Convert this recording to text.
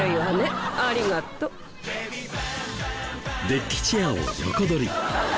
デッキチェアを横取り。